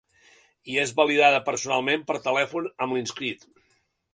I és validada personalment per telèfon amb l'inscrit.